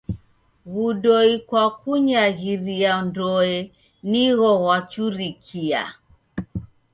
W'udoi kwa kunyaghiria ndoe nigho ghwachurikia.